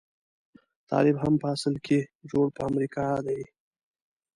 طالب هم په اصل کې جوړ په امريکا دی.